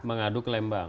mengadu ke lembang